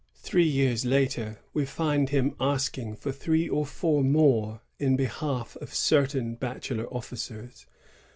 "^ Three years later we find him asking for three or four more in behalf of certain bachelor oflScers.